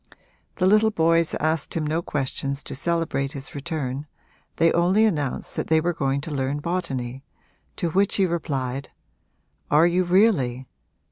The little boys asked him no questions to celebrate his return they only announced that they were going to learn botany, to which he replied: 'Are you, really?